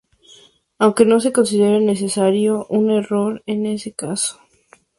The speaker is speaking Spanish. Aunque no se considere necesariamente un error en ese caso.